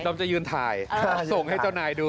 จะยืนถ่ายส่งให้เจ้านายดู